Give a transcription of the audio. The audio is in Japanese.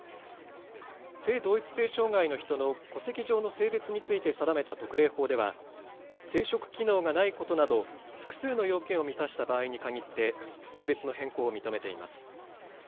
性同一性障害の人の戸籍上の性別について定めた特例法では生殖機能がないことなど複数の要件を満たした場合に限って性別の変更を認めています。